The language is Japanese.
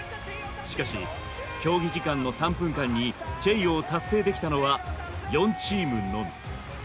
しかし競技時間の３分間にチェイヨーを達成できたのは４チームのみ。